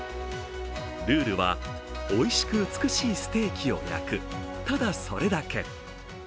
ルールは、おいしく美しいステーキを焼く、ただそれだけ。